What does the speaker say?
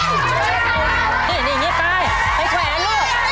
สโตปินี่๒